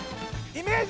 イメージ。